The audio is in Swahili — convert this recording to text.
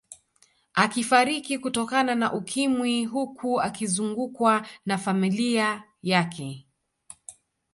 Akifariki kutokana na Ukimwi huku akizungukwa na familia yake